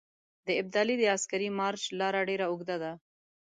د ابدالي د عسکري مارچ لاره ډېره اوږده ده.